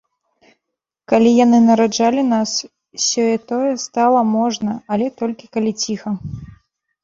Калі яны нараджалі нас, сеё-тое стала можна, але толькі калі ціха.